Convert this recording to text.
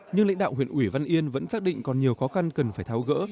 nhưng lãnh đạo huyện ủy văn yên vẫn xác định còn nhiều khó khăn cần phải tháo gỡ